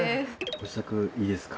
ご自宅いいですか？